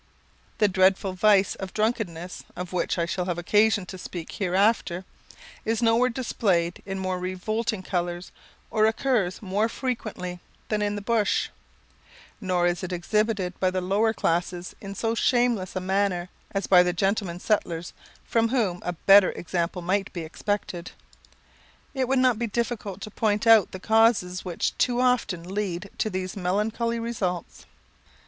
The dreadful vice of drunkenness, of which I shall have occasion to speak hereafter, is nowhere displayed in more revolting colours, or occurs more frequently, than in the bush; nor is it exhibited by the lower classes in so shameless a manner as by the gentlemen settlers, from whom a better example might be expected. It would not be difficult to point out the causes which too often lead to these melancholy results.